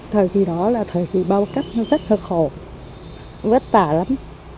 thời kỳ đó là thời kỳ bao cắt rất là khổ vất vả lắm